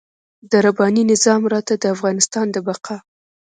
د رباني نظام راته د افغانستان د بقا.